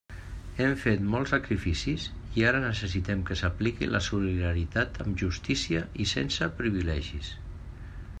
Hem fet molts sacrificis i ara necessitem que s'aplique la solidaritat amb justícia i sense privilegis.